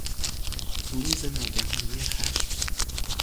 بروز ناگهانی خشم